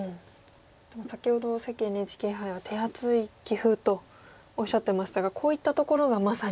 でも先ほど関ＮＨＫ杯は手厚い棋風とおっしゃってましたがこういったところがまさに。